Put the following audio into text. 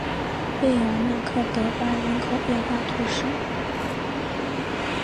贝尔纳克德巴人口变化图示